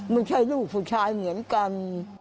ไม่ใช่ลูกผู้ชายเหมือนกัน